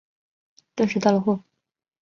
顿时到货了